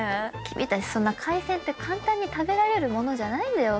君たちそんな海鮮って簡単に食べられるものじゃないんだよ。